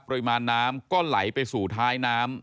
ปริมาณน้ำก็ไหลไปสู่ท้ายน้ำ